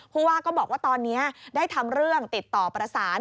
ผู้ว่าก็บอกว่าตอนนี้ได้ทำเรื่องติดต่อประสาน